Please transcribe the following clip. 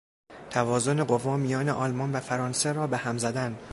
توازن قوا میان آلمان و فرانسه را به هم زدن